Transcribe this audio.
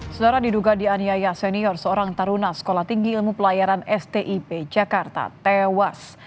saudara diduga dianiaya senior seorang taruna sekolah tinggi ilmu pelayaran stip jakarta tewas